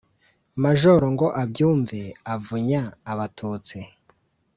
Majoro ngo abyumve avunya Abatutsi,